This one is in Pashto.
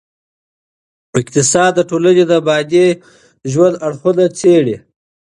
اقتصاد د ټولني د مادي ژوند اړخونه څېړي.